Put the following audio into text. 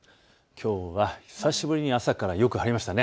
きょうは久しぶりに朝からよく晴れましたね。